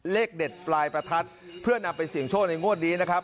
เลขเด็ดปลายประทัดเพื่อนำไปเสี่ยงโชคในงวดนี้นะครับ